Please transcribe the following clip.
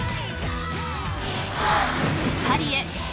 ［パリへ！